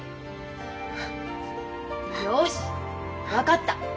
よし分かった。